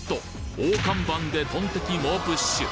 大看板でとんてき猛プッシュ！！